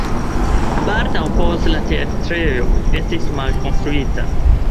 Baldaŭ poste la teatrejo estis malkonstruita.